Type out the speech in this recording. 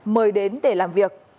mời đến để làm việc